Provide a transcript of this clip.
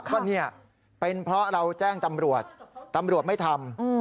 ก็เนี่ยเป็นเพราะเราแจ้งตำรวจตำรวจไม่ทำ